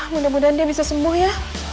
mudah mudahan dia bisa sembuh ya